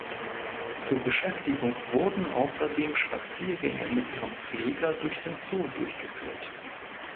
Zur Beschäftigung wurden außerdem Spaziergänge mit ihrem Pfleger durch den Zoo durchgeführt.